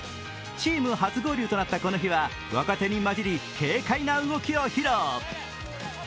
チーム初合流となったこの日は若手に交じり軽快な動きを披露。